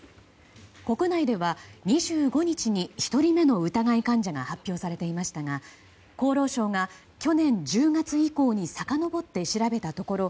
国内では２５日に１人目の疑い患者が発表されていましたが厚労省が去年１０月以降にさかのぼって調べたところ